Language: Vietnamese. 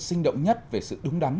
sinh động nhất về sự đúng đắn